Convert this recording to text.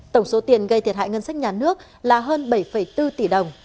tổng số tiền gây thiệt hại ngân sách nhà nước là hơn bảy bốn tỷ đồng